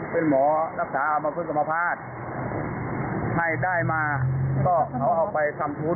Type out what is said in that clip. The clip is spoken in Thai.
แหมอนักษารักษาอโมงสมภาษให้ด้ายมาก็เอาไปสำทุน